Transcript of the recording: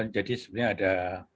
jadi sebenarnya ada